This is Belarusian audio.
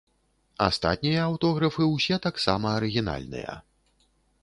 Астатнія аўтографы ўсе таксама арыгінальныя.